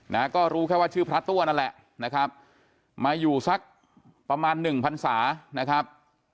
นะก็รู้แค่ว่าชื่อพระตัวนั่นแหละนะครับมาอยู่สักประมาณหนึ่งพันศานะครับ